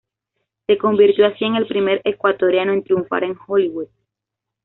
Se convirtió así en el primer ecuatoriano en triunfar en Hollywood.